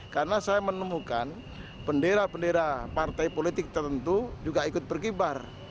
karena saya menemukan bendera bendera partai politik tertentu juga ikut berkibar